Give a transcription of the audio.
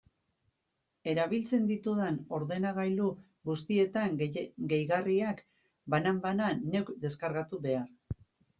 Erabiltzen ditudan ordenagailu guztietan gehigarriak, banan-banan, neuk deskargatu behar.